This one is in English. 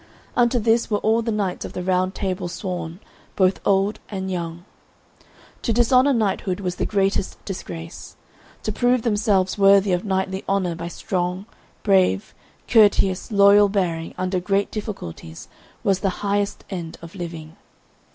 Unto this were all the knights of the Round Table sworn, both old and young. To dishonour knighthood was the greatest disgrace; to prove themselves worthy of knightly honour by strong, brave, courteous, loyal bearing under great difficulties was the highest end of living.